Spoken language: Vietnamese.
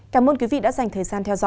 cảm ơn quý vị đã dành thời gian theo dõi